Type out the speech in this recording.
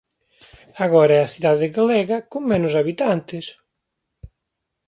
Agora é a cidade galega con menos habitantes.